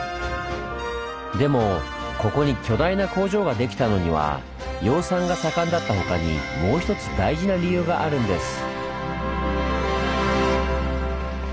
でもここに巨大な工場ができたのには養蚕が盛んだった他にもう一つ大事な理由があるんです。